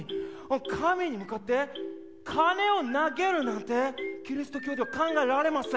神に向かって金を投げるなんてキリスト教では考えられません。